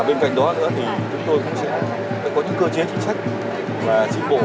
bên cạnh đó chúng tôi cũng sẽ có những cơ chế chính trách và những chi phủ